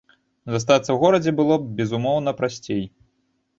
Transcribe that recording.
Застацца ў горадзе было б, безумоўна, прасцей.